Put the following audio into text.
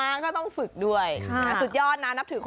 หนึ่งสองสามสี่